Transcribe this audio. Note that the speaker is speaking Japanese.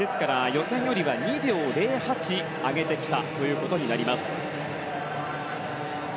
予選よりは２秒０８上げてきたことになります。